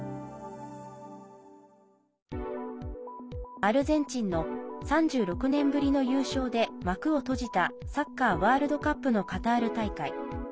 アルゼンチンの３６年ぶりの優勝で幕を閉じたサッカーワールドカップのカタール大会。